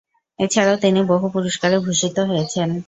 এছাড়াও তিনি বহু পুরস্কারে ভূষিত হয়েছেন।